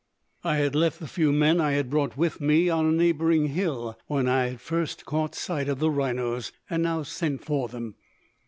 I had left the few men I had brought with me on a neighboring hill when I had first caught sight of the rhinos, and now sent for them.